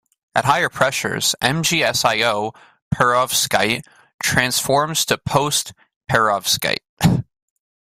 At higher pressures, MgSiO perovskite transforms to post-perovskite.